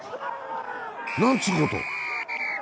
なんつうこと。